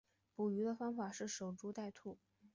捕鱼方法是守株待兔。